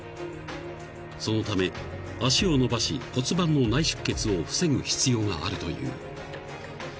［そのため脚を伸ばし骨盤の内出血を防ぐ必要があるという］